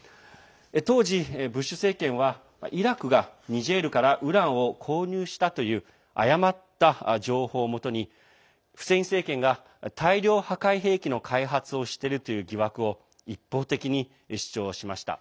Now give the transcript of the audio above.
当時、ブッシュ政権はイラクがニジェールからウランを購入したという誤った情報をもとにフセイン政権が大量破壊兵器の開発をしてるという疑惑を一方的に主張しました。